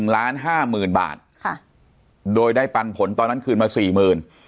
๑๕ล้านบาทโดยได้ปันผลตอนนั้นคืนมา๔หมื่น